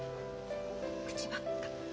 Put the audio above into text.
口ばっか。